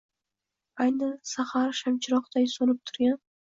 Ayni sahar shamchiroqday so’nib turgan